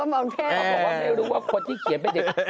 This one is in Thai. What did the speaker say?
ไม่รู้ว่าคนที่เขียนเป็นเด็ก